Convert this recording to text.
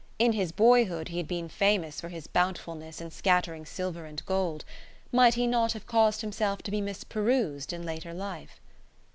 In his boyhood he had been famous for his bountifulness in scattering silver and gold. Might he not have caused himself to be misperused in later life?